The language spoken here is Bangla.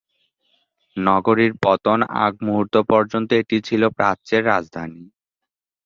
নগরীর পতন আগ মুহূর্ত পর্যন্ত এটি ছিল প্রাচ্যের রাজধানী।